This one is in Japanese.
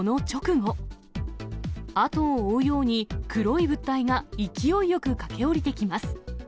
後を追うように、黒い物体が勢いよく駆け降りてきます。